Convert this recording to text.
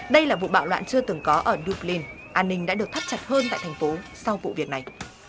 đây là vụ bạo loạn chưa từng có ở dublin an ninh đã được thắt chặt hơn tại thành phố sau vụ việc này